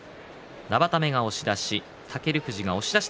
生田目が押し出し。